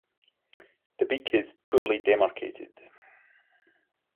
The beak is poorly demarcated.